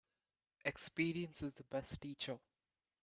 Experience is the best teacher.